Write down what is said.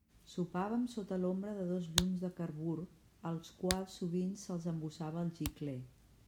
Sopàvem sota l'ombra de dos llums de carbur als quals sovint se'ls embossava el gicler.